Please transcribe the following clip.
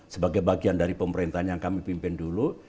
sebagai bagian dari pemerintahan yang kami pimpin dulu